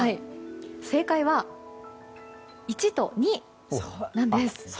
正解は１と２なんです。